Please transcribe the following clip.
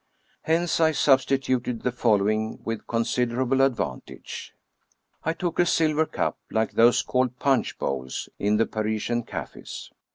Hence, I substituted the following with considerable ad vantage : I took a silver cup, like those called " punch bowls " in the Parisian cafes.